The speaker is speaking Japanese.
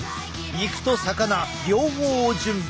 肉と魚両方を準備。